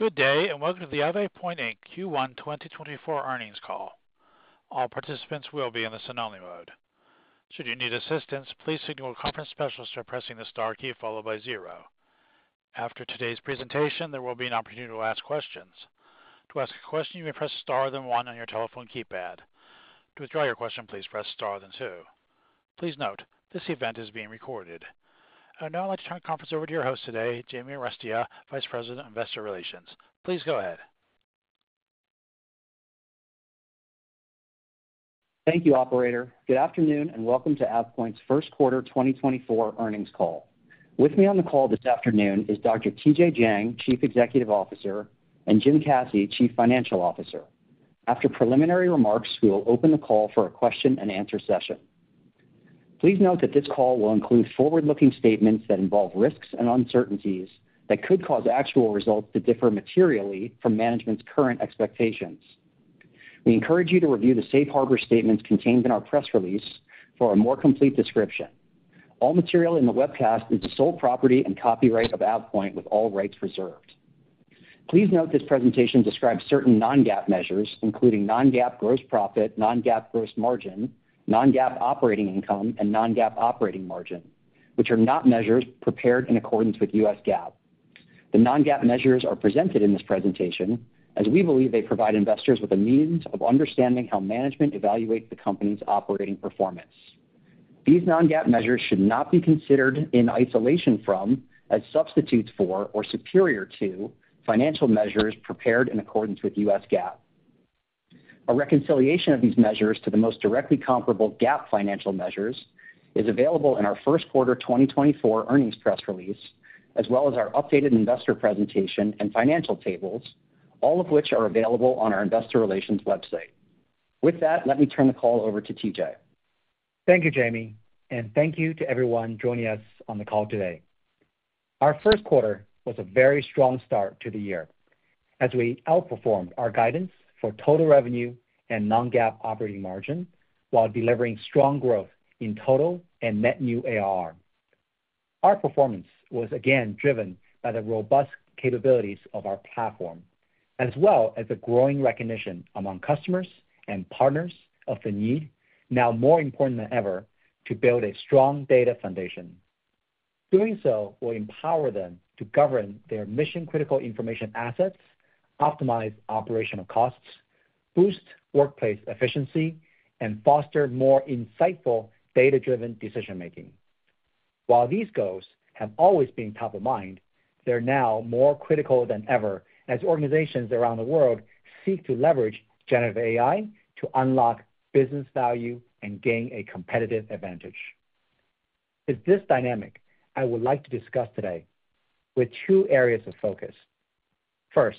Good day and welcome to the AvePoint Tianyi Jiang 2024 earnings call. All participants will be in listen-only mode. Should you need assistance, please signal a conference specialist by pressing the star key followed by zero. After today's presentation, there will be an opportunity to ask questions. To ask a question, you may press star then one on your telephone keypad. To withdraw your question, please press star then two. Please note, this event is being recorded. Now I'd like to turn the conference over to your host today, Jamie Arestia, Vice President of Investor Relations. Please go ahead. Thank you, operator. Good afternoon and welcome to AvePoint's first quarter 2024 earnings call. With me on the call this afternoon is Dr. T.J. Jiang, Chief Executive Officer, and Jim Caci, Chief Financial Officer. After preliminary remarks, we will open the call for a question-and-answer session. Please note that this call will include forward-looking statements that involve risks and uncertainties that could cause actual results to differ materially from management's current expectations. We encourage you to review the safe harbor statements contained in our press release for a more complete description. All material in the webcast is the sole property and copyright of AvePoint with all rights reserved. Please note this presentation describes certain non-GAAP measures, including non-GAAP gross profit, non-GAAP gross margin, non-GAAP operating income, and non-GAAP operating margin, which are not measures prepared in accordance with U.S. GAAP. The non-GAAP measures are presented in this presentation as we believe they provide investors with a means of understanding how management evaluates the company's operating performance. These non-GAAP measures should not be considered in isolation or as substitutes for or superior to financial measures prepared in accordance with U.S. GAAP. A reconciliation of these measures to the most directly comparable GAAP financial measures is available in our first quarter 2024 earnings press release, as well as our updated investor presentation and financial tables, all of which are available on our investor relations website. With that, let me turn the call over to T.J. Thank you, Jamie, and thank you to everyone joining us on the call today. Our first quarter was a very strong start to the year as we outperformed our guidance for total revenue and non-GAAP operating margin while delivering strong growth in total and net new ARR. Our performance was again driven by the robust capabilities of our platform, as well as the growing recognition among customers and partners of the need, now more important than ever, to build a strong data foundation. Doing so will empower them to govern their mission-critical information assets, optimize operational costs, boost workplace efficiency, and foster more insightful data-driven decision-making. While these goals have always been top of mind, they're now more critical than ever as organizations around the world seek to leverage generative AI to unlock business value and gain a competitive advantage. It's this dynamic I would like to discuss today with two areas of focus. First,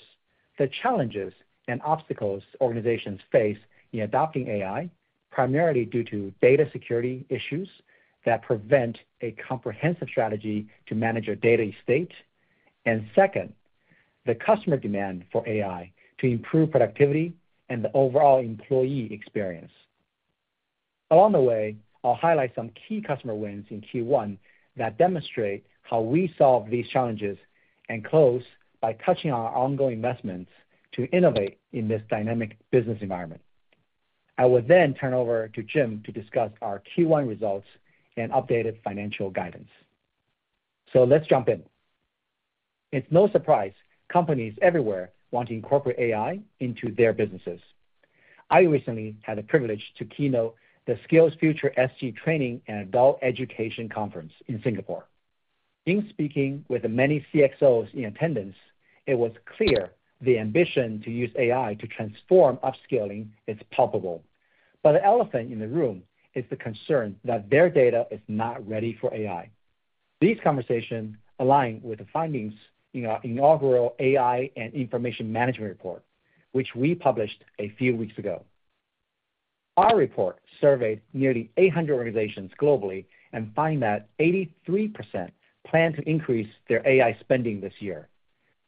the challenges and obstacles organizations face in adopting AI, primarily due to data security issues that prevent a comprehensive strategy to manage your data estate, and second, the customer demand for AI to improve productivity and the overall employee experience. Along the way, I'll highlight some key customer wins in Q1 that demonstrate how we solve these challenges and close by touching on our ongoing investments to innovate in this dynamic business environment. I will then turn over to Jim to discuss our Q1 results and updated financial guidance. So let's jump in. It's no surprise companies everywhere want to incorporate AI into their businesses. I recently had the privilege to keynote the SkillsFuture SG Training and Adult Education Conference in Singapore. In speaking with many CXOs in attendance, it was clear the ambition to use AI to transform upskilling is palpable, but the elephant in the room is the concern that their data is not ready for AI. These conversations align with the findings in our inaugural AI and Information Management report, which we published a few weeks ago. Our report surveyed nearly 800 organizations globally and finds that 83% plan to increase their AI spending this year,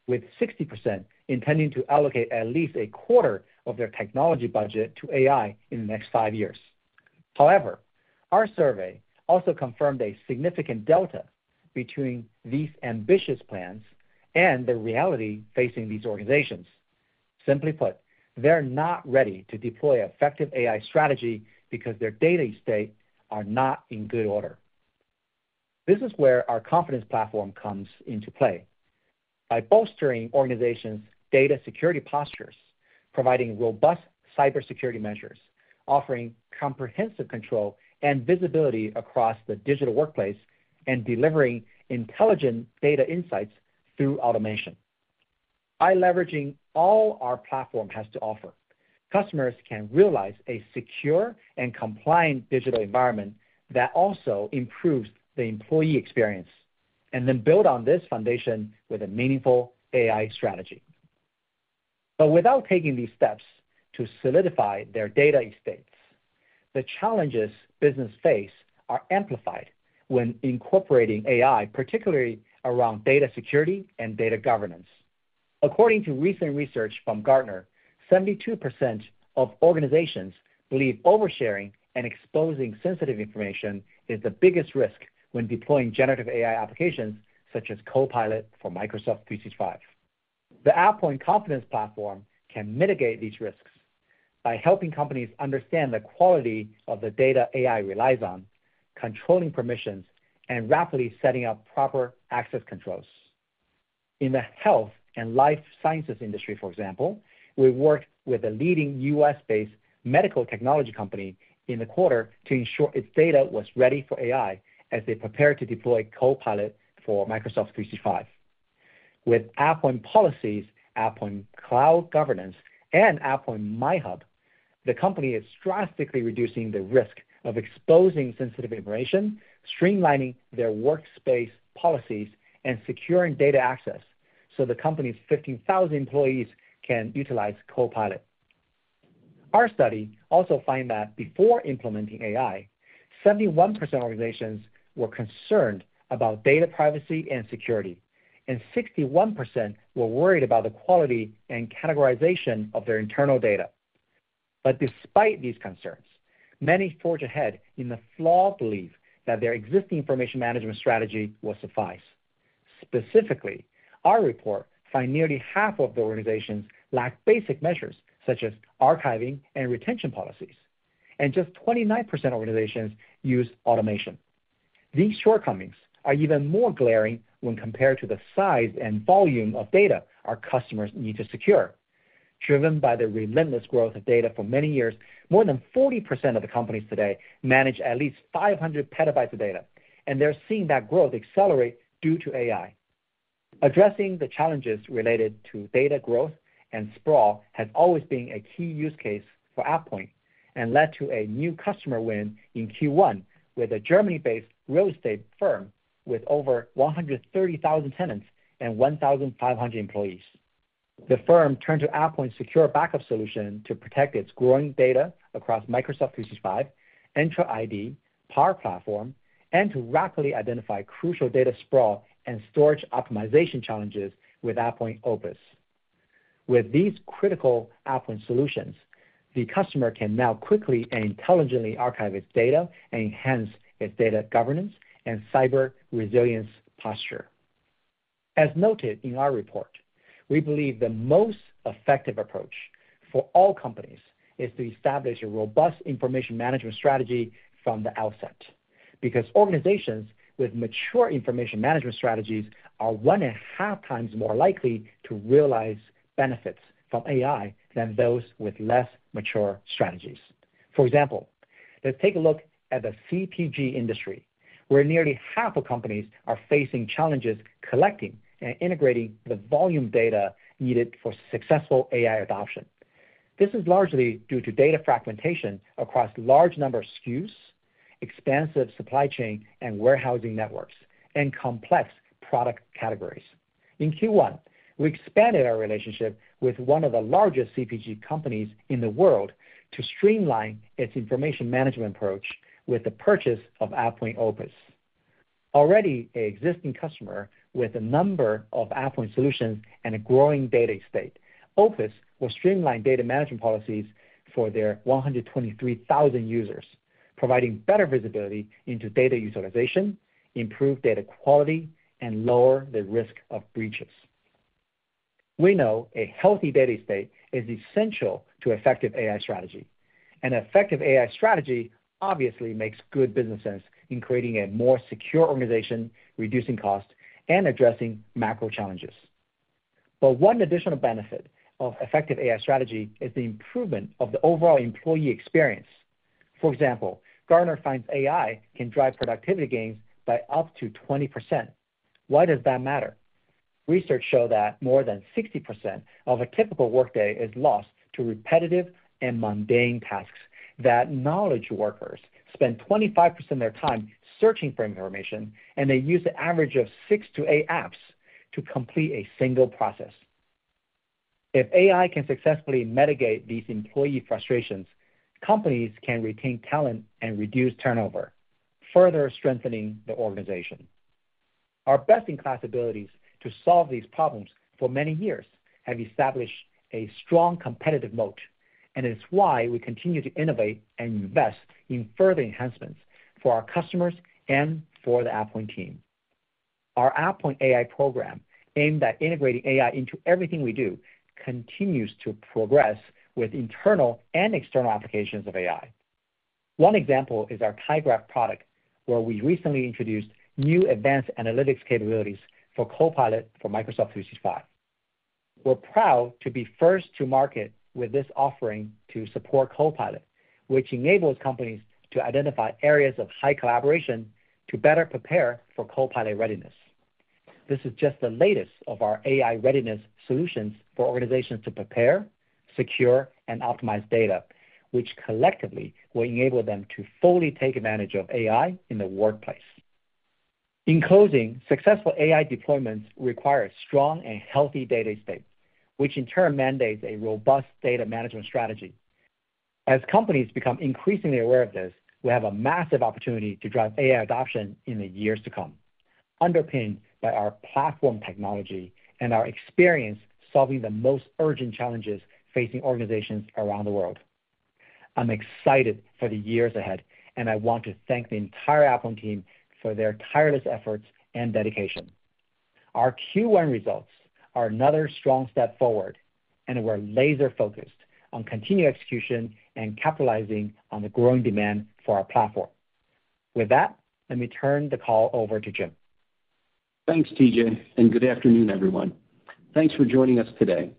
with 60% intending to allocate at least a quarter of their technology budget to AI in the next five years. However, our survey also confirmed a significant delta between these ambitious plans and the reality facing these organizations. Simply put, they're not ready to deploy an effective AI strategy because their data estate is not in good order. This is where our confidence platform comes into play. By bolstering organizations' data security postures, providing robust cybersecurity measures, offering comprehensive control and visibility across the digital workplace, and delivering intelligent data insights through automation, by leveraging all our platform has to offer, customers can realize a secure and compliant digital environment that also improves the employee experience and then build on this foundation with a meaningful AI strategy. But without taking these steps to solidify their data estates, the challenges businesses face are amplified when incorporating AI, particularly around data security and data governance. According to recent research from Gartner, 72% of organizations believe oversharing and exposing sensitive information is the biggest risk when deploying generative AI applications such as Copilot for Microsoft 365. The AvePoint Confidence Platform can mitigate these risks by helping companies understand the quality of the data AI relies on, controlling permissions, and rapidly setting up proper access controls. In the health and life sciences industry, for example, we worked with a leading U.S.-based medical technology company in the quarter to ensure its data was ready for AI as they prepared to deploy Copilot for Microsoft 365. With AvePoint Policies, AvePoint Cloud Governance, and AvePoint MyHub, the company is drastically reducing the risk of exposing sensitive information, streamlining their workspace policies, and securing data access so the company's 15,000 employees can utilize Copilot. Our study also finds that before implementing AI, 71% of organizations were concerned about data privacy and security, and 61% were worried about the quality and categorization of their internal data. But despite these concerns, many forge ahead in the flawed belief that their existing information management strategy will suffice. Specifically, our report finds nearly half of the organizations lack basic measures such as archiving and retention policies, and just 29% of organizations use automation. These shortcomings are even more glaring when compared to the size and volume of data our customers need to secure. Driven by the relentless growth of data for many years, more than 40% of the companies today manage at least 500 PB of data, and they're seeing that growth accelerate due to AI. Addressing the challenges related to data growth and sprawl has always been a key use case for AvePoint and led to a new customer win in Q1 with a Germany-based real estate firm with over 130,000 tenants and 1,500 employees. The firm turned to AvePoint's secure backup solution to protect its growing data across Microsoft 365, Entra ID, Power Platform, and to rapidly identify crucial data sprawl and storage optimization challenges with AvePoint Opus. With these critical AvePoint solutions, the customer can now quickly and intelligently archive its data and enhance its data governance and cyber resilience posture. As noted in our report, we believe the most effective approach for all companies is to establish a robust information management strategy from the outset because organizations with mature information management strategies are 1.5x more likely to realize benefits from AI than those with less mature strategies. For example, let's take a look at the CPG industry, where nearly half of companies are facing challenges collecting and integrating the volume data needed for successful AI adoption. This is largely due to data fragmentation across large number of SKUs, expansive supply chain and warehousing networks, and complex product categories. In Q1, we expanded our relationship with one of the largest CPG companies in the world to streamline its information management approach with the purchase of AvePoint Opus. Already an existing customer with a number of AvePoint solutions and a growing data estate, Opus will streamline data management policies for their 123,000 users, providing better visibility into data utilization, improved data quality, and lower the risk of breaches. We know a healthy data estate is essential to effective AI strategy, and effective AI strategy obviously makes good business sense in creating a more secure organization, reducing costs, and addressing macro challenges. But one additional benefit of effective AI strategy is the improvement of the overall employee experience. For example, Gartner finds AI can drive productivity gains by up to 20%. Why does that matter? Research showed that more than 60% of a typical workday is lost to repetitive and mundane tasks that knowledge workers spend 25% of their time searching for information, and they use the average of 6-8 apps to complete a single process. If AI can successfully mitigate these employee frustrations, companies can retain talent and reduce turnover, further strengthening the organization. Our best-in-class abilities to solve these problems for many years have established a strong competitive moat, and it's why we continue to innovate and invest in further enhancements for our customers and for the AvePoint team. Our AvePoint AI program aimed at integrating AI into everything we do continues to progress with internal and external applications of AI. One example is our tyGraph product, where we recently introduced new advanced analytics capabilities for Copilot for Microsoft 365. We're proud to be first to market with this offering to support Copilot, which enables companies to identify areas of high collaboration to better prepare for Copilot readiness. This is just the latest of our AI readiness solutions for organizations to prepare, secure, and optimize data, which collectively will enable them to fully take advantage of AI in the workplace. In closing, successful AI deployments require a strong and healthy data estate, which in turn mandates a robust data management strategy. As companies become increasingly aware of this, we have a massive opportunity to drive AI adoption in the years to come, underpinned by our platform technology and our experience solving the most urgent challenges facing organizations around the world. I'm excited for the years ahead, and I want to thank the entire AvePoint team for their tireless efforts and dedication. Our Q1 results are another strong step forward, and we're laser-focused on continued execution and capitalizing on the growing demand for our platform. With that, let me turn the call over to Jim. Thanks, T.J., and good afternoon, everyone. Thanks for joining us today.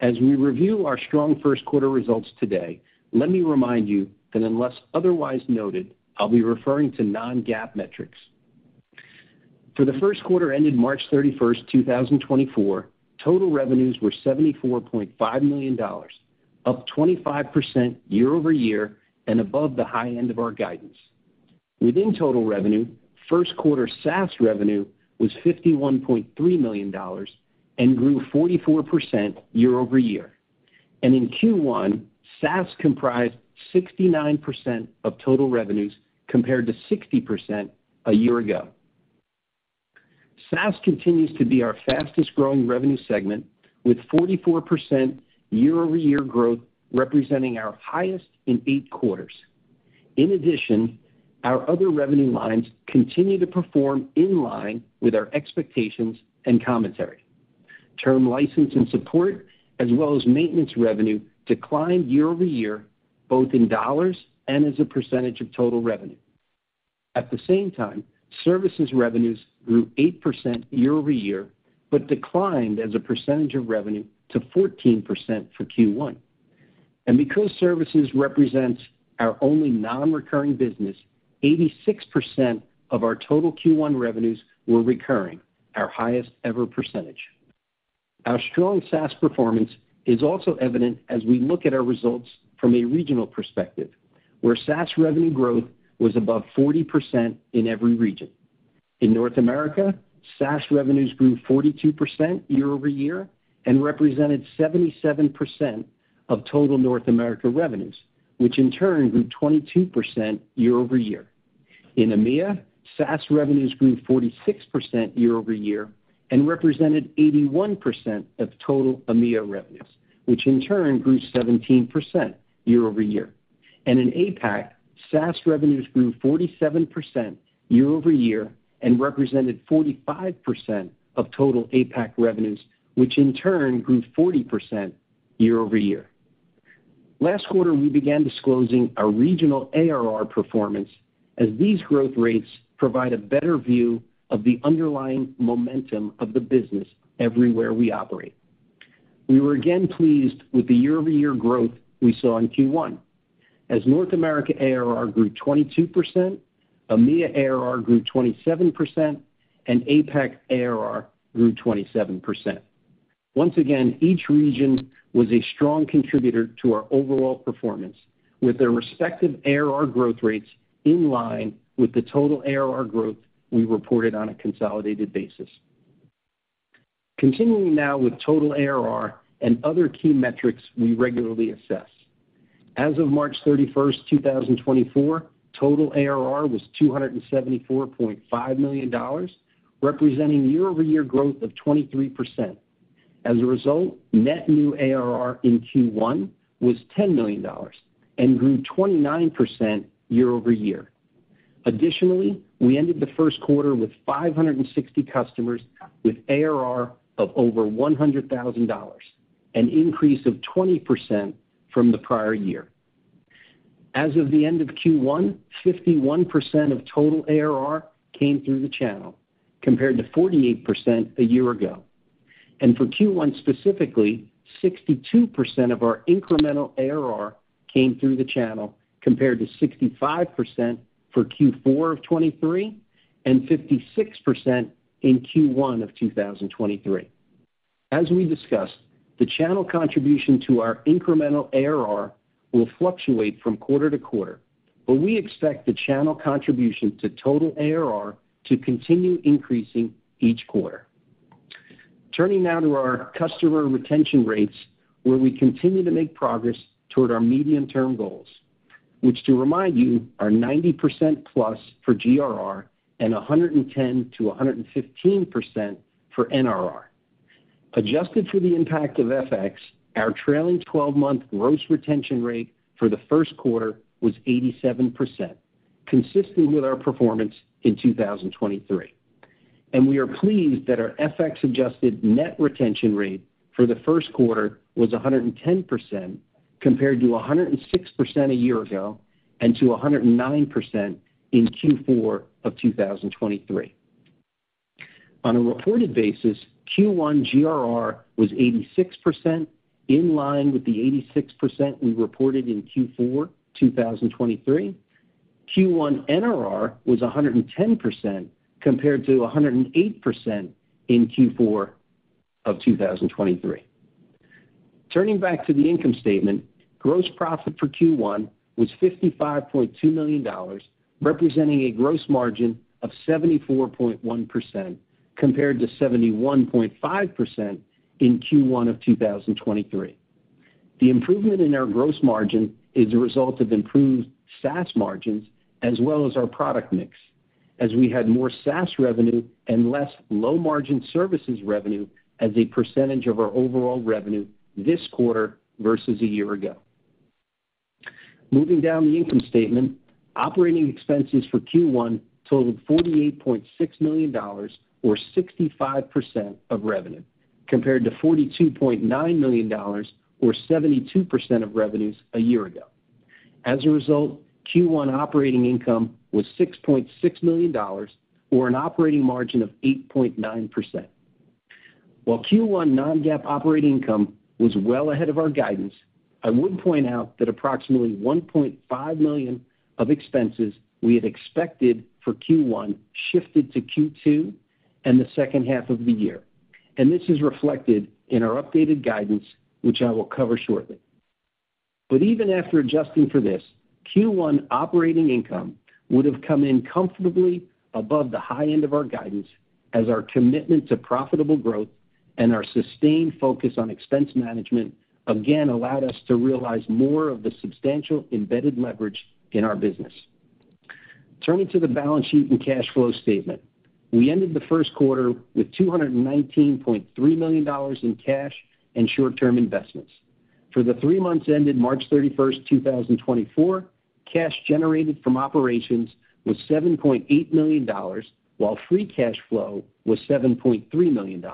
As we review our strong first quarter results today, let me remind you that unless otherwise noted, I'll be referring to non-GAAP metrics. For the first quarter ended March 31st, 2024, total revenues were $74.5 million, up 25% year-over-year and above the high end of our guidance. Within total revenue, first quarter SaaS revenue was $51.3 million and grew 44% year-over-year. In Q1, SaaS comprised 69% of total revenues compared to 60% a year ago. SaaS continues to be our fastest-growing revenue segment, with 44% year-over-year growth representing our highest in eight quarters. In addition, our other revenue lines continue to perform in line with our expectations and commentary. Term license and support, as well as maintenance revenue, declined year-over-year, both in dollars and as a percentage of total revenue. At the same time, services revenues grew 8% year-over-year but declined as a percentage of revenue to 14% for Q1. And because services represent our only non-recurring business, 86% of our total Q1 revenues were recurring, our highest-ever percentage. Our strong SaaS performance is also evident as we look at our results from a regional perspective, where SaaS revenue growth was above 40% in every region. In North America, SaaS revenues grew 42% year-over-year and represented 77% of total North America revenues, which in turn grew 22% year-over-year. In EMEA, SaaS revenues grew 46% year-over-year and represented 81% of total EMEA revenues, which in turn grew 17% year-over-year. And in APAC, SaaS revenues grew 47% year-over-year and represented 45% of total APAC revenues, which in turn grew 40% year-over-year. Last quarter, we began disclosing our regional ARR performance as these growth rates provide a better view of the underlying momentum of the business everywhere we operate. We were again pleased with the year-over-year growth we saw in Q1, as North America ARR grew 22%, EMEA ARR grew 27%, and APAC ARR grew 27%. Once again, each region was a strong contributor to our overall performance, with their respective ARR growth rates in line with the total ARR growth we reported on a consolidated basis. Continuing now with total ARR and other key metrics we regularly assess. As of March 31st, 2024, total ARR was $274.5 million, representing year-over-year growth of 23%. As a result, net new ARR in Q1 was $10 million and grew 29% year-over-year. Additionally, we ended the first quarter with 560 customers with ARR of over $100,000, an increase of 20% from the prior year. As of the end of Q1, 51% of total ARR came through the channel compared to 48% a year ago. For Q1 specifically, 62% of our incremental ARR came through the channel compared to 65% for Q4 of 2023 and 56% in Q1 of 2023. As we discussed, the channel contribution to our incremental ARR will fluctuate from quarter-to-quarter, but we expect the channel contribution to total ARR to continue increasing each quarter. Turning now to our customer retention rates, where we continue to make progress toward our medium-term goals, which to remind you are 90% plus for GRR and 110%-115% for NRR. Adjusted for the impact of FX, our trailing 12-month gross retention rate for the first quarter was 87%, consistent with our performance in 2023. We are pleased that our FX-adjusted net retention rate for the first quarter was 110% compared to 106% a year ago and to 109% in Q4 of 2023. On a reported basis, Q1 GRR was 86% in line with the 86% we reported in Q4, 2023. Q1 NRR was 110% compared to 108% in Q4 of 2023. Turning back to the income statement, gross profit for Q1 was $55.2 million, representing a gross margin of 74.1% compared to 71.5% in Q1 of 2023. The improvement in our gross margin is a result of improved SaaS margins as well as our product mix, as we had more SaaS revenue and less low-margin services revenue as a percentage of our overall revenue this quarter versus a year ago. Moving down the income statement, operating expenses for Q1 totaled $48.6 million, or 65% of revenue, compared to $42.9 million, or 72% of revenues a year ago. As a result, Q1 operating income was $6.6 million, or an operating margin of 8.9%. While Q1 non-GAAP operating income was well ahead of our guidance, I would point out that approximately $1.5 million of expenses we had expected for Q1 shifted to Q2 and the second half of the year. This is reflected in our updated guidance, which I will cover shortly. But even after adjusting for this, Q1 operating income would have come in comfortably above the high end of our guidance, as our commitment to profitable growth and our sustained focus on expense management again allowed us to realize more of the substantial embedded leverage in our business. Turning to the balance sheet and cash flow statement, we ended the first quarter with $219.3 million in cash and short-term investments. For the three months ended March 31st, 2024, cash generated from operations was $7.8 million, while free cash flow was $7.3 million.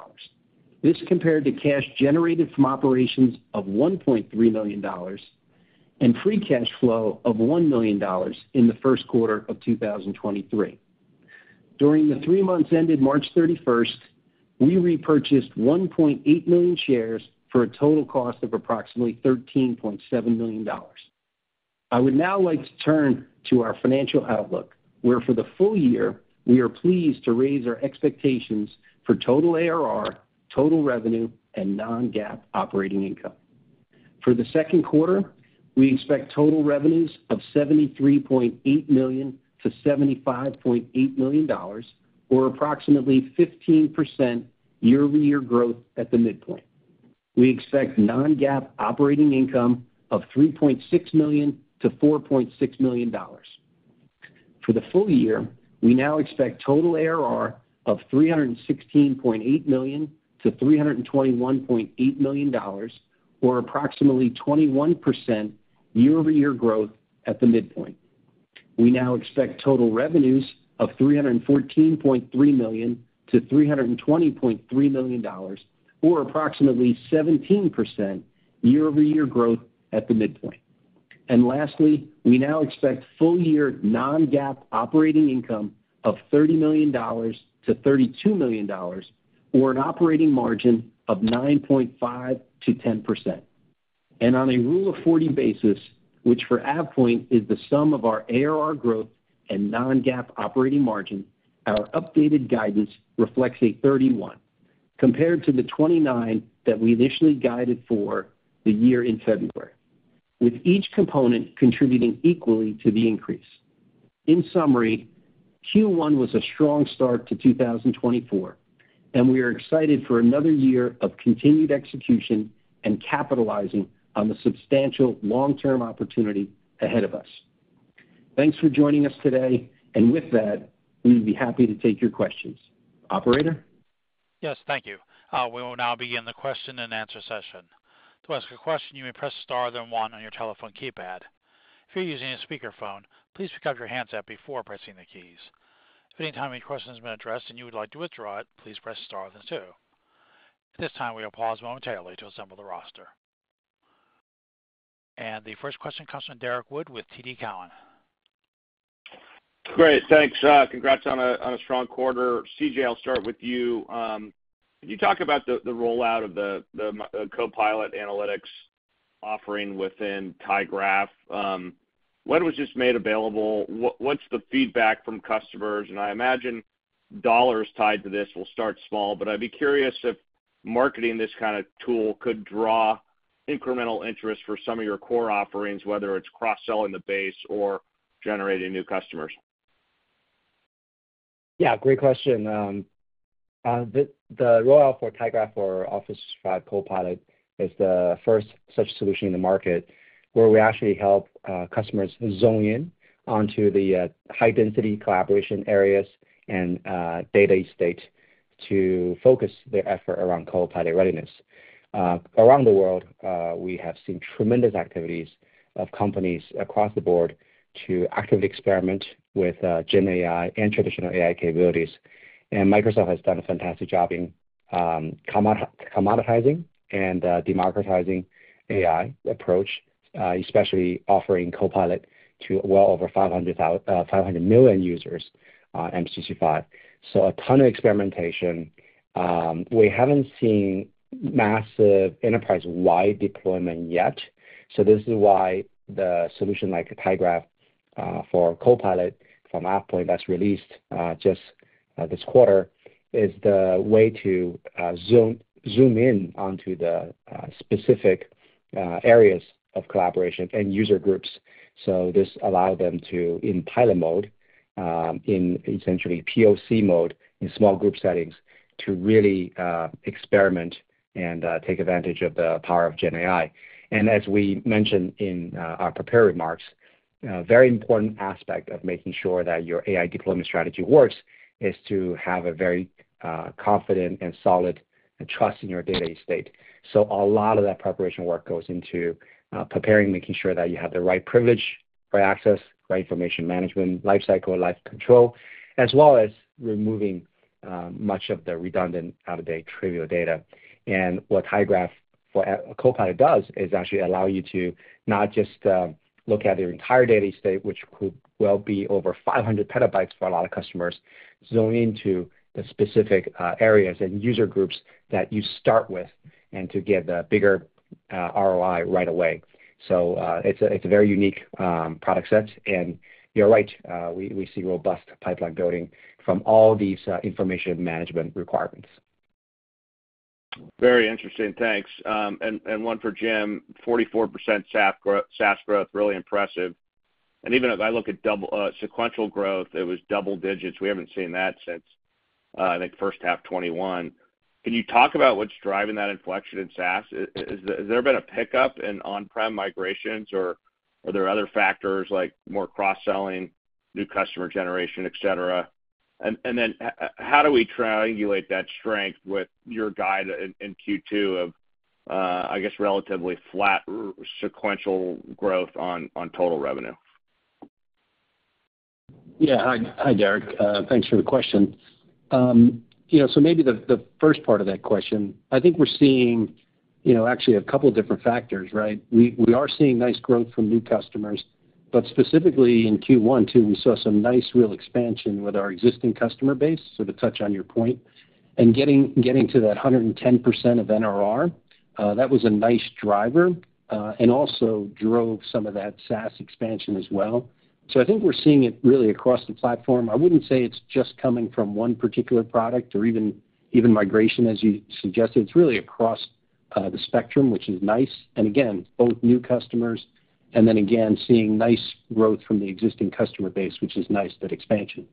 This compared to cash generated from operations of $1.3 million and free cash flow of $1 million in the first quarter of 2023. During the three months ended March 31st, we repurchased 1.8 million shares for a total cost of approximately $13.7 million. I would now like to turn to our financial outlook, where for the full year, we are pleased to raise our expectations for total ARR, total revenue, and non-GAAP operating income. For the second quarter, we expect total revenues of $73.8 million-$75.8 million, or approximately 15% year-over-year growth at the midpoint. We expect non-GAAP operating income of $3.6 million-$4.6 million. For the full year, we now expect total ARR of $316.8 million-$321.8 million, or approximately 21% year-over-year growth at the midpoint. We now expect total revenues of $314.3 million-$320.3 million, or approximately 17% year-over-year growth at the midpoint. And lastly, we now expect full-year non-GAAP operating income of $30 million-$32 million, or an operating margin of 9.5%-10%. On a Rule of 40 basis, which for AvePoint is the sum of our ARR growth and non-GAAP operating margin, our updated guidance reflects a 31% compared to the 29% that we initially guided for the year in February, with each component contributing equally to the increase. In summary, Q1 was a strong start to 2024, and we are excited for another year of continued execution and capitalizing on the substantial long-term opportunity ahead of us. Thanks for joining us today. With that, we'd be happy to take your questions. Operator? Yes, thank you. We will now begin the question-and-answer session. To ask a question, you may press star, then one on your telephone keypad. If you're using a speakerphone, please pick up your handset before pressing the keys. If at any time any question has been addressed and you would like to withdraw it, please press star then two. At this time, we will pause momentarily to assemble the roster. The first question comes from Derrick Wood with TD Cowen. Great. Thanks. Congrats on a strong quarter. T.J., I'll start with you. Can you talk about the rollout of the Copilot analytics offering within tyGraph? When was this made available? What's the feedback from customers? And I imagine dollars tied to this will start small, but I'd be curious if marketing this kind of tool could draw incremental interest for some of your core offerings, whether it's cross-selling the base or generating new customers. Yeah, great question. The rollout for tyGraph for Microsoft 365 Copilot is the first such solution in the market, where we actually help customers zone in onto the high-density collaboration areas and data estate to focus their effort around Copilot readiness. Around the world, we have seen tremendous activities of companies across the board to actively experiment with GenAI and traditional AI capabilities. And Microsoft has done a fantastic job in commoditizing and democratizing AI approach, especially offering Copilot to well over 500 million users on M365. So a ton of experimentation. We haven't seen massive enterprise-wide deployment yet. So this is why the solution like tyGraph for Copilot from AvePoint that's released just this quarter is the way to zoom in onto the specific areas of collaboration and user groups. So this allowed them to, in pilot mode, in essentially POC mode, in small group settings, to really experiment and take advantage of the power of GenAI. As we mentioned in our prepared remarks, a very important aspect of making sure that your AI deployment strategy works is to have a very confident and solid trust in your data estate. So a lot of that preparation work goes into preparing, making sure that you have the right privilege, right access, right information management, lifecycle, life control, as well as removing much of the redundant, out-of-date, trivial data. And what tyGraph for Copilot does is actually allow you to not just look at your entire data estate, which could well be over 500 PB for a lot of customers, zoom into the specific areas and user groups that you start with and to get the bigger ROI right away. It's a very unique product set. You're right. We see robust pipeline building from all these information management requirements. Very interesting. Thanks. And one for Jim. 44% SaaS growth, really impressive. And even if I look at sequential growth, it was double digits. We haven't seen that since, I think, first half 2021. Can you talk about what's driving that inflection in SaaS? Has there been a pickup in on-prem migrations, or are there other factors like more cross-selling, new customer generation, etc.? And then how do we triangulate that strength with your guide in Q2 of, I guess, relatively flat sequential growth on total revenue? Yeah. Hi, Derrick. Thanks for the question. So maybe the first part of that question, I think we're seeing actually a couple of different factors, right? We are seeing nice growth from new customers. But specifically in Q1 too, we saw some nice real expansion with our existing customer base, sort of touch on your point, and getting to that 110% of NRR. That was a nice driver and also drove some of that SaaS expansion as well. So I think we're seeing it really across the platform. I wouldn't say it's just coming from one particular product or even migration, as you suggested. It's really across the spectrum, which is nice. And again, both new customers and then again seeing nice growth from the existing customer base, which is nice, that expansion.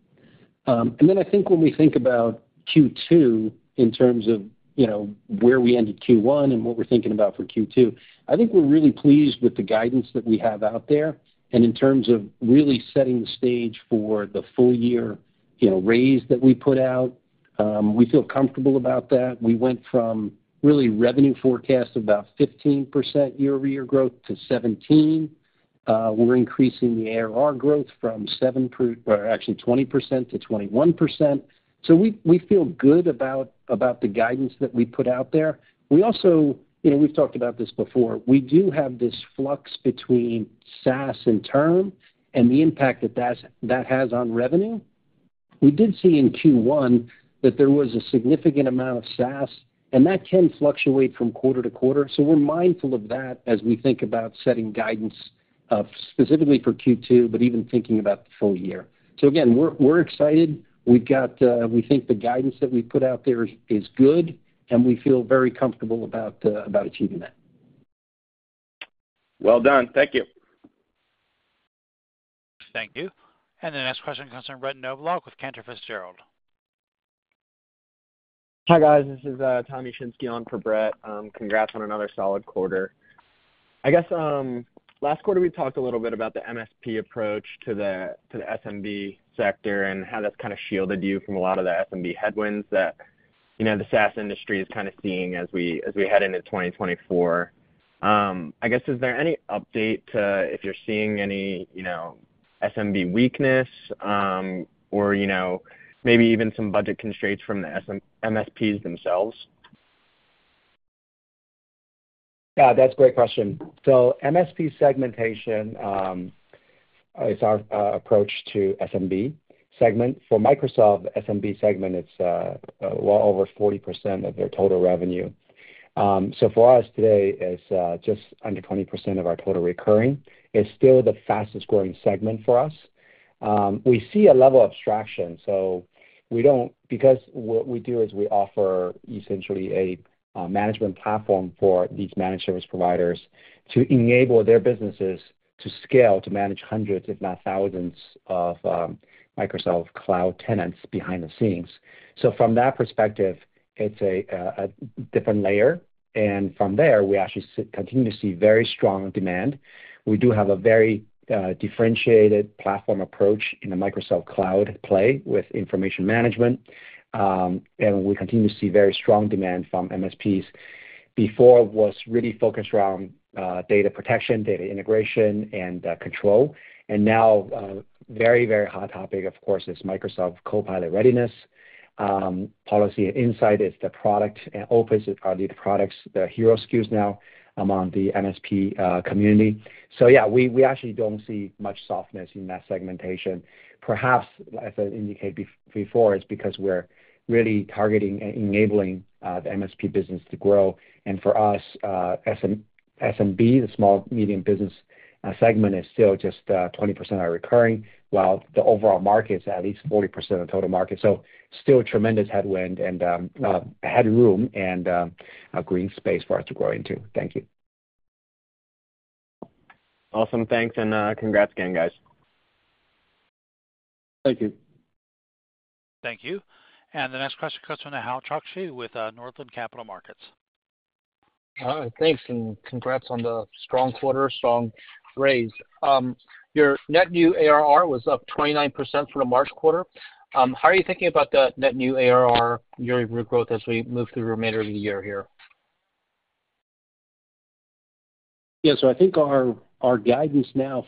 Then I think when we think about Q2 in terms of where we ended Q1 and what we're thinking about for Q2, I think we're really pleased with the guidance that we have out there. In terms of really setting the stage for the full-year raise that we put out, we feel comfortable about that. We went from our revenue forecast of about 15%-17% year-over-year growth. We're increasing the ARR growth from 7% or actually 20% to 21%. So we feel good about the guidance that we put out there. We also, we've talked about this before. We do have this flux between SaaS and term and the impact that that has on revenue. We did see in Q1 that there was a significant amount of SaaS, and that can fluctuate from quarter-to-quarter. We're mindful of that as we think about setting guidance specifically for Q2, but even thinking about the full year. Again, we're excited. We think the guidance that we put out there is good, and we feel very comfortable about achieving that. Well done. Thank you. Thank you. The next question comes from Brett Knoblauch with Cantor Fitzgerald. Hi, guys. This is Tommy Shinske on for Brett. Congrats on another solid quarter. I guess last quarter, we talked a little bit about the MSP approach to the SMB sector and how that's kind of shielded you from a lot of the SMB headwinds that the SaaS industry is kind of seeing as we head into 2024. I guess, is there any update to if you're seeing any SMB weakness or maybe even some budget constraints from the MSPs themselves? Yeah, that's a great question. So MSP segmentation is our approach to SMB segment. For Microsoft, the SMB segment, it's well over 40% of their total revenue. So for us today, it's just under 20% of our total recurring. It's still the fastest-growing segment for us. We see a level of abstraction. So because what we do is we offer essentially a management platform for these managed service providers to enable their businesses to scale, to manage hundreds, if not thousands, of Microsoft Cloud tenants behind the scenes. So from that perspective, it's a different layer. And from there, we actually continue to see very strong demand. We do have a very differentiated platform approach in the Microsoft Cloud play with information management. And we continue to see very strong demand from MSPs. Before, it was really focused around data protection, data integration, and control. Now, a very, very hot topic, of course, is Microsoft Copilot readiness. Policies and Insights is the product and Opus are the products, the hero SKUs now among the MSP community. So yeah, we actually don't see much softness in that segmentation. Perhaps, as I indicated before, it's because we're really targeting and enabling the MSP business to grow. For us, SMB, the small-medium business segment, is still just 20% of our recurring, while the overall market is at least 40% of total market. So still tremendous headwind and headroom and green space for us to grow into. Thank you. Awesome. Thanks. And congrats again, guys. Thank you. Thank you. The next question comes from Nehal Chokshi with Northland Capital Markets. All right. Thanks and congrats on the strong quarter, strong raise. Your Net New ARR was up 29% for the March quarter. How are you thinking about the Net New ARR, year-over-year growth as we move through the remainder of the year here? Yeah. So I think our guidance now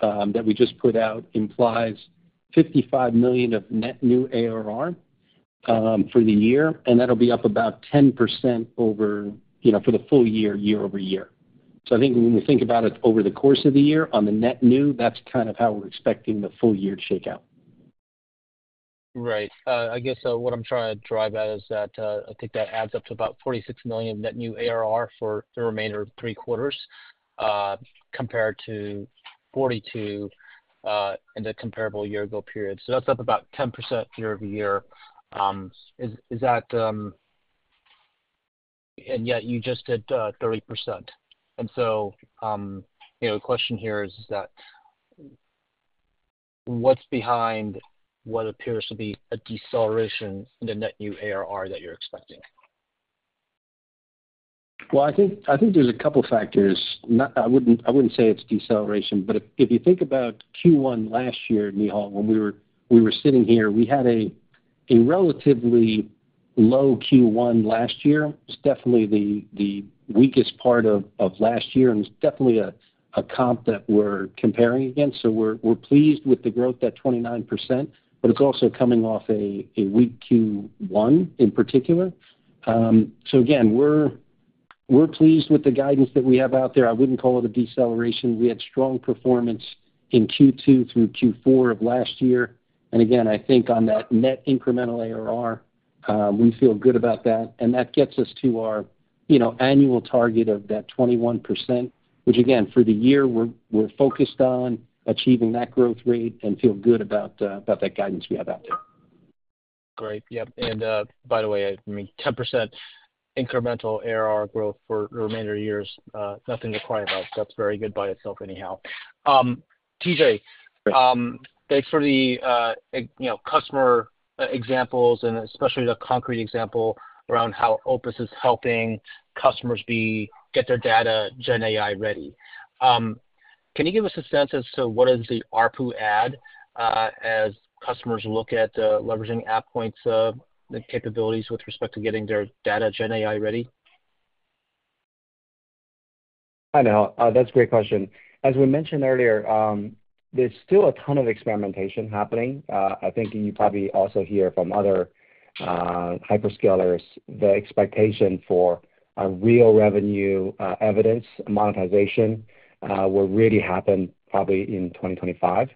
that we just put out implies $55 million of net new ARR for the year, and that'll be up about 10% over for the full year, year-over-year. So I think when we think about it over the course of the year on the net new, that's kind of how we're expecting the full year to shake out. Right. I guess what I'm trying to drive at is that I think that adds up to about $46 million of net new ARR for the remainder of three quarters compared to $42 million in the comparable year-ago period. So that's up about 10% year-over-year. And yet, you just did 30%. And so the question here is, what's behind what appears to be a deceleration in the net new ARR that you're expecting? Well, I think there's a couple of factors. I wouldn't say it's deceleration. But if you think about Q1 last year, Nehal, when we were sitting here, we had a relatively low Q1 last year. It's definitely the weakest part of last year, and it's definitely a comp that we're comparing against. So we're pleased with the growth, that 29%, but it's also coming off a weak Q1 in particular. So again, we're pleased with the guidance that we have out there. I wouldn't call it a deceleration. We had strong performance in Q2 through Q4 of last year. And again, I think on that net incremental ARR, we feel good about that. And that gets us to our annual target of that 21%, which again, for the year, we're focused on achieving that growth rate and feel good about that guidance we have out there. Great. Yep. And by the way, I mean, 10% incremental ARR growth for the remainder of the years, nothing to cry about. That's very good by itself anyhow. T.J., thanks for the customer examples and especially the concrete example around how Opus is helping customers get their data GenAI ready. Can you give us a sense as to what is the ARPU add as customers look at leveraging AvePoint's capabilities with respect to getting their data GenAI ready? Hi, Nehal. That's a great question. As we mentioned earlier, there's still a ton of experimentation happening. I think you probably also hear from other hyperscalers the expectation for real revenue evidence monetization will really happen probably in 2025.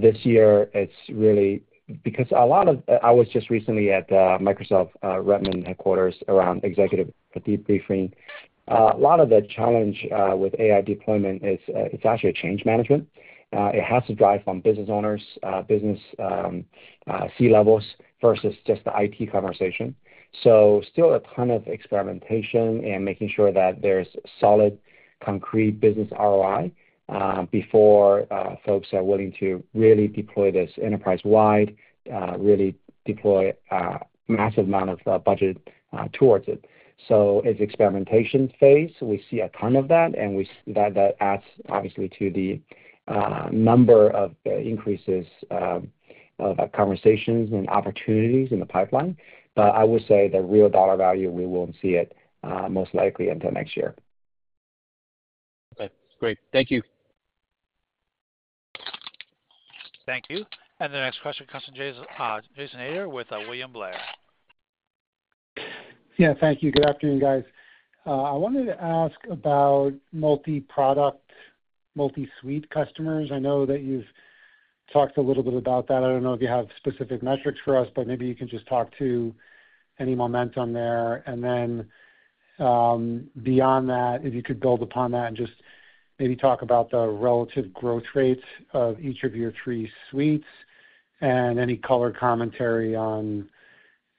This year, it's really because a lot of. I was just recently at Microsoft Redmond headquarters around executive briefing. A lot of the challenge with AI deployment, it's actually change management. It has to drive from business owners, business C-levels versus just the IT conversation. So still a ton of experimentation and making sure that there's solid, concrete business ROI before folks are willing to really deploy this enterprise-wide, really deploy a massive amount of budget towards it. So it's experimentation phase. We see a ton of that, and we see that adds, obviously, to the number of increases of conversations and opportunities in the pipeline. I would say the real dollar value, we won't see it most likely until next year. Okay. Great. Thank you. Thank you. And the next question comes from Jason Ader with William Blair. Yeah. Thank you. Good afternoon, guys. I wanted to ask about multi-product, multi-suite customers. I know that you've talked a little bit about that. I don't know if you have specific metrics for us, but maybe you can just talk to any momentum there. And then beyond that, if you could build upon that and just maybe talk about the relative growth rates of each of your three suites and any color commentary on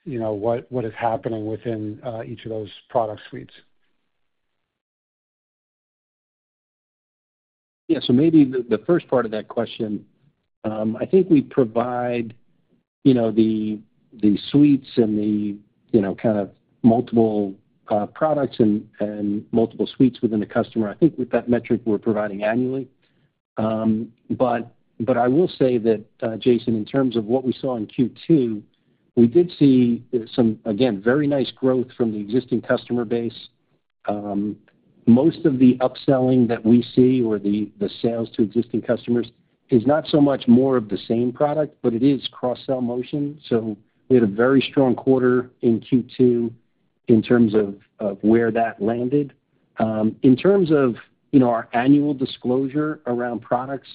what is happening within each of those product suites. Yeah. So maybe the first part of that question, I think we provide the suites and the kind of multiple products and multiple suites within the customer. I think with that metric, we're providing annually. But I will say that, Jason, in terms of what we saw in Q2, we did see some, again, very nice growth from the existing customer base. Most of the upselling that we see or the sales to existing customers is not so much more of the same product, but it is cross-sell motion. So we had a very strong quarter in Q2 in terms of where that landed. In terms of our annual disclosure around products,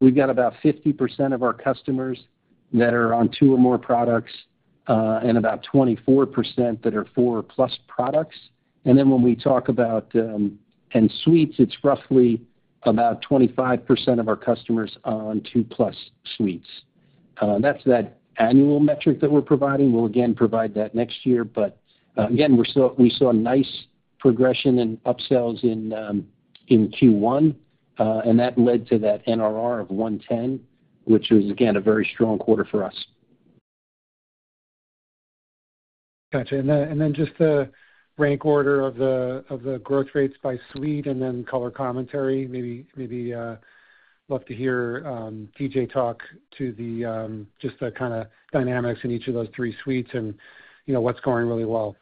we've got about 50% of our customers that are on two or more products and about 24% that are 4+ products. And then when we talk about suites, it's roughly about 25% of our customers on 2+ suites. That's that annual metric that we're providing. We'll, again, provide that next year. But again, we saw nice progression in upsells in Q1, and that led to that NRR of 110, which was, again, a very strong quarter for us. Gotcha. And then just the rank order of the growth rates by suite and then color commentary. Maybe love to hear T.J. talk to just the kind of dynamics in each of those three suites and what's going really well.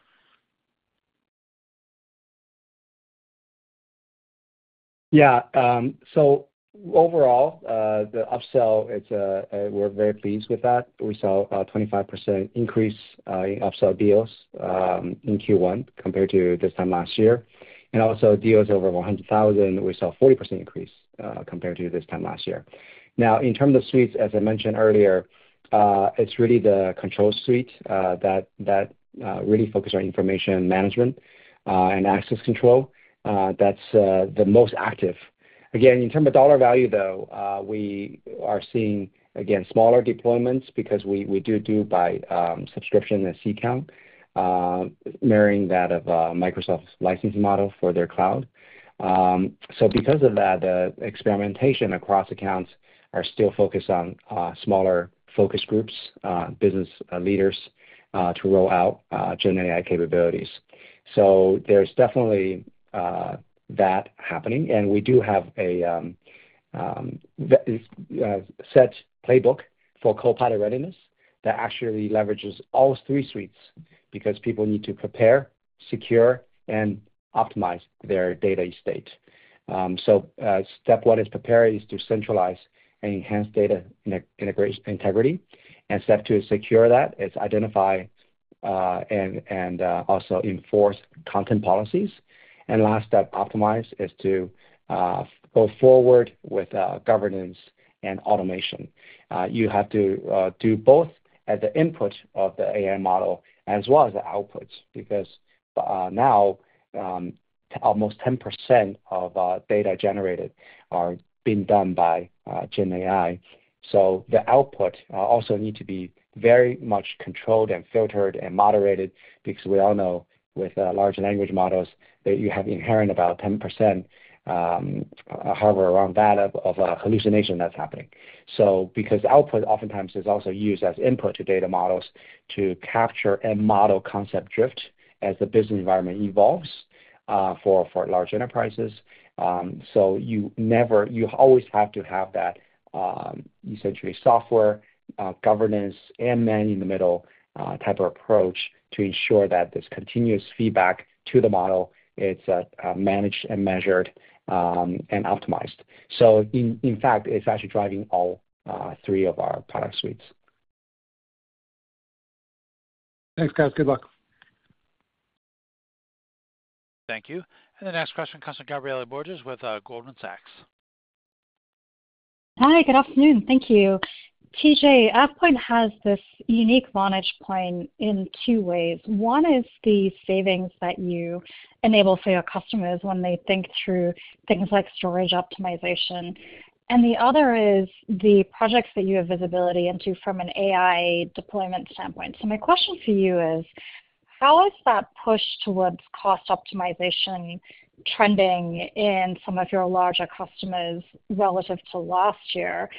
Yeah. So overall, the upsell, we're very pleased with that. We saw a 25% increase in upsell deals in Q1 compared to this time last year. And also, deals over $100,000, we saw a 40% increase compared to this time last year. Now, in terms of suites, as I mentioned earlier, it's really the control suite that really focuses on information management and access control. That's the most active. Again, in terms of dollar value, though, we are seeing, again, smaller deployments because we do do by subscription and seat count, mirroring that of Microsoft's licensing model for their cloud. So because of that, the experimentation across accounts is still focused on smaller focus groups, business leaders to roll out GenAI capabilities. So there's definitely that happening. We do have a set playbook for Copilot readiness that actually leverages all three suites because people need to prepare, secure, and optimize their data state. Step one is prepare, is to centralize and enhance data integration. Step two is secure that. It's identify and also enforce content policies. Last step, optimize, is to go forward with governance and automation. You have to do both at the input of the AI model as well as the outputs because now, almost 10% of data generated are being done by GenAI. The output also needs to be very much controlled and filtered and moderated because we all know with large language models, you have inherent about 10%, however, around that, of hallucination that's happening. So because output oftentimes is also used as input to data models to capture and model concept drift as the business environment evolves for large enterprises. So you always have to have that essentially software governance and man-in-the-middle type of approach to ensure that this continuous feedback to the model, it's managed and measured and optimized. So in fact, it's actually driving all three of our product suites. Thanks, guys. Good luck. Thank you. The next question comes from Gabriela Borges with Goldman Sachs. Hi. Good afternoon. Thank you. T.J., AvePoint has this unique vantage point in two ways. One is the savings that you enable for your customers when they think through things like storage optimization. And the other is the projects that you have visibility into from an AI deployment standpoint. So my question for you is, how is that push towards cost optimization trending in some of your larger customers relative to last year?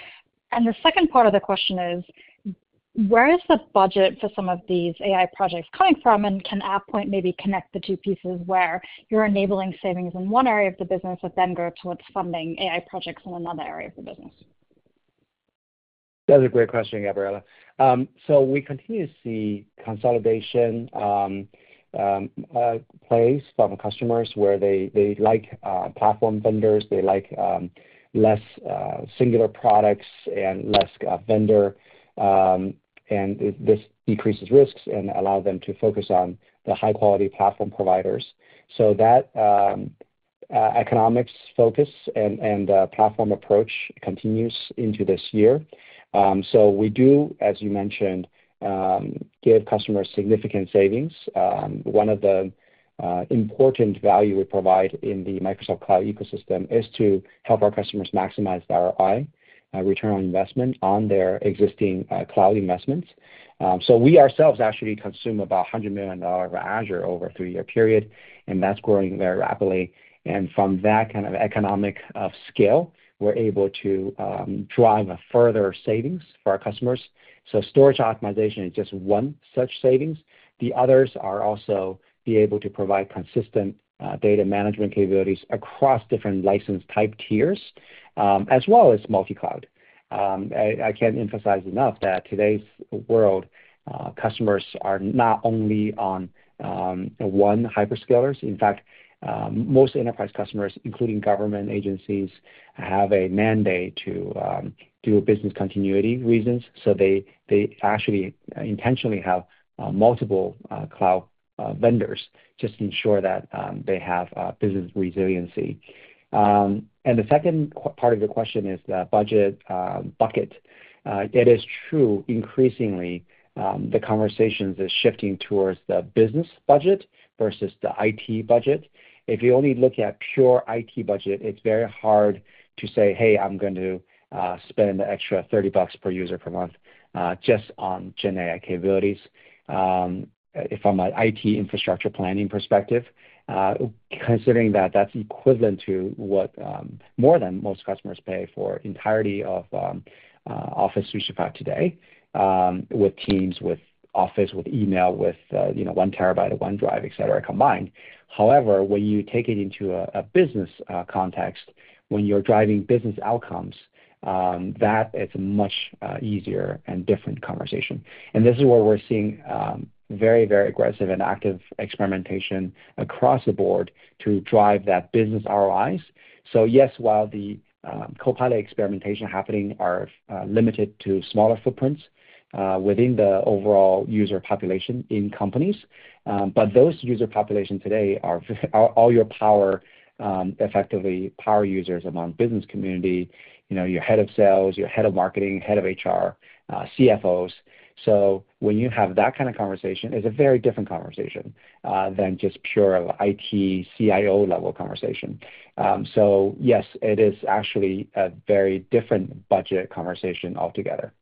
And the second part of the question is, where is the budget for some of these AI projects coming from? And can AvePoint maybe connect the two pieces where you're enabling savings in one area of the business but then go towards funding AI projects in another area of the business? That is a great question, Gabriela. So we continue to see consolidation take place from customers where they like platform vendors. They like less singular products and less vendor. And this decreases risks and allows them to focus on the high-quality platform providers. So that economics focus and platform approach continues into this year. So we do, as you mentioned, give customers significant savings. One of the important value we provide in the Microsoft Cloud ecosystem is to help our customers maximize ROI, return on investment on their existing cloud investments. So we ourselves actually consume about $100 million of Azure over a three-year period, and that's growing very rapidly. And from that kind of economic scale, we're able to drive further savings for our customers. So storage optimization is just one such savings. The others are also being able to provide consistent data management capabilities across different license-type tiers as well as multi-cloud. I can't emphasize enough that in today's world, customers are not only on one hyperscaler. In fact, most enterprise customers, including government agencies, have a mandate to do business continuity reasons. So they actually intentionally have multiple cloud vendors just to ensure that they have business resiliency. And the second part of your question is the budget bucket. It is true, increasingly, the conversations are shifting towards the business budget versus the IT budget. If you only look at pure IT budget, it's very hard to say, "Hey, I'm going to spend the extra $30 per user per month just on GenAI capabilities from an IT infrastructure planning perspective," considering that that's equivalent to what more than most customers pay for the entirety of Office 365 today with Teams, with Office, with email, with 1 TB of OneDrive, etc., combined. However, when you take it into a business context, when you're driving business outcomes, that is a much easier and different conversation. This is where we're seeing very, very aggressive and active experimentation across the board to drive that business ROI. So yes, while the Copilot experimentation happening is limited to smaller footprints within the overall user population in companies, but those user populations today are all your power effectively power users among the business community: your head of sales, your head of marketing, head of HR, CFOs. So when you have that kind of conversation, it's a very different conversation than just pure IT CIO-level conversation. So yes, it is actually a very different budget conversation altogether.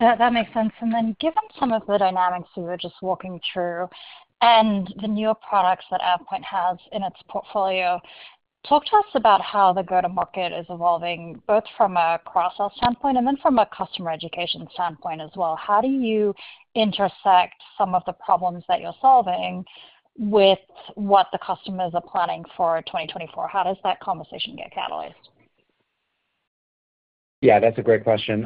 That makes sense. And then given some of the dynamics we were just walking through and the newer products that AvePoint has in its portfolio, talk to us about how the go-to-market is evolving both from a cross-sell standpoint and then from a customer education standpoint as well. How do you intersect some of the problems that you're solving with what the customers are planning for 2024? How does that conversation get catalyzed? Yeah. That's a great question.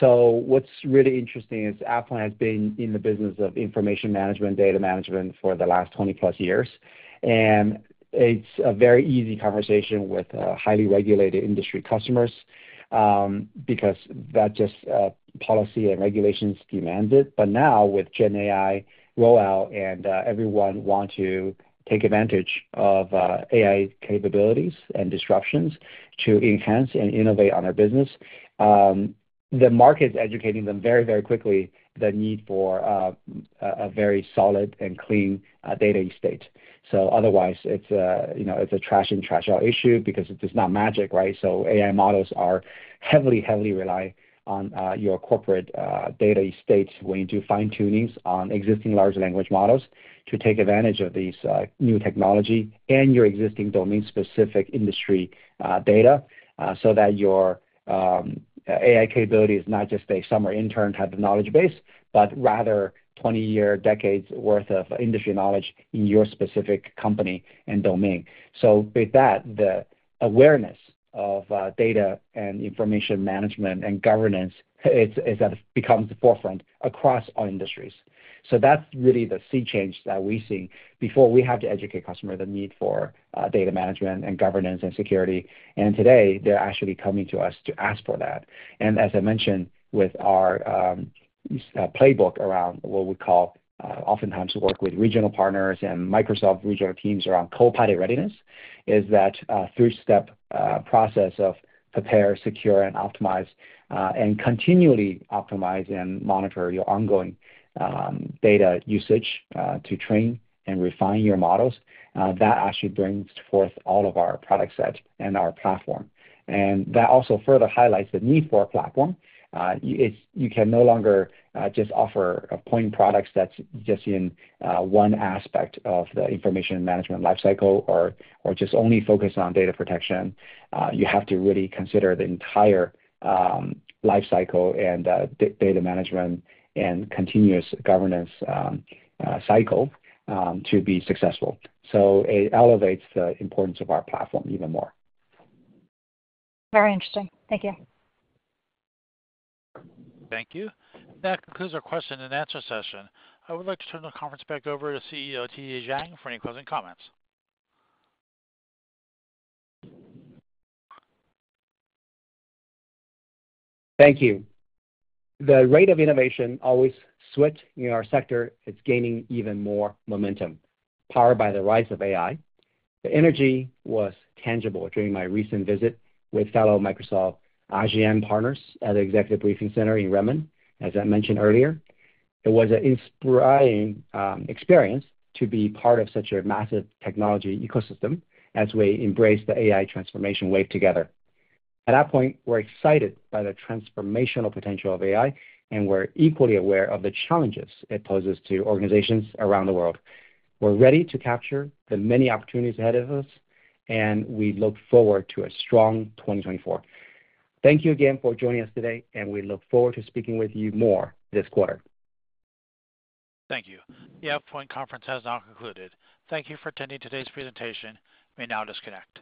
So what's really interesting is AvePoint has been in the business of information management, data management for the last 20+ years. It's a very easy conversation with highly regulated industry customers because that just policy and regulations demand it. But now, with GenAI rollout and everyone wanting to take advantage of AI capabilities and disruptions to enhance and innovate on their business, the market is educating them very, very quickly about the need for a very solid and clean data estate. So otherwise, it's a trash-in-trash-out issue because it's not magic, right? So AI models heavily, heavily rely on your corporate data estate when you do fine-tunings on existing large language models to take advantage of this new technology and your existing domain-specific industry data so that your AI capability is not just a summer intern type of knowledge base but rather 20-year, decades' worth of industry knowledge in your specific company and domain. So with that, the awareness of data and information management and governance becomes the forefront across all industries. So that's really the sea change that we're seeing. Before, we had to educate customers about the need for data management and governance and security. And today, they're actually coming to us to ask for that. As I mentioned, with our playbook around what we call oftentimes work with regional partners and Microsoft regional teams around Copilot readiness, is that three-step process of prepare, secure, and optimize, and continually optimize and monitor your ongoing data usage to train and refine your models, that actually brings forth all of our product sets and our platform. And that also further highlights the need for a platform. You can no longer just offer point products that's just in one aspect of the information management lifecycle or just only focus on data protection. You have to really consider the entire lifecycle and data management and continuous governance cycle to be successful. So it elevates the importance of our platform even more. Very interesting. Thank you. Thank you. That concludes our question-and-answer session. I would like to turn the conference back over to CEO T.J. Jiang for any questions and comments. Thank you. The rate of innovation as such in our sector is gaining even more momentum powered by the rise of AI. The energy was tangible during my recent visit with fellow Microsoft AIM partners at the Executive Briefing Center in Redmond, as I mentioned earlier. It was an inspiring experience to be part of such a massive technology ecosystem as we embrace the AI transformation wave together. At that point, we're excited by the transformational potential of AI, and we're equally aware of the challenges it poses to organizations around the world. We're ready to capture the many opportunities ahead of us, and we look forward to a strong 2024. Thank you again for joining us today, and we look forward to speaking with you more this quarter. Thank you. The AvePoint conference has now concluded. Thank you for attending today's presentation. May now disconnect.